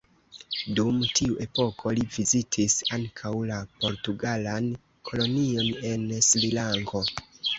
Dum tiu epoko li vizitis ankaŭ la portugalan kolonion en Srilanko.